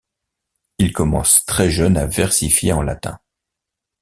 Il commence très jeune à versifier en latin.